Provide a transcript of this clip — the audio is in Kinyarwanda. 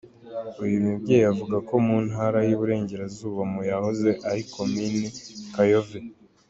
Uyu mubyeyi avuka mu Ntara y’Iburengerazuba mu yahoze ari Komini Kayove.